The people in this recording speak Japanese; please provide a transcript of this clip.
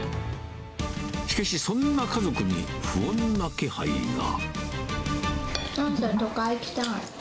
しかし、そんな家族に不穏な気配が。